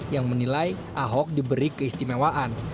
yang menilai ahok diberi keistimewaan